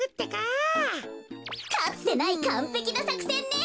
かつてないかんぺきなさくせんね。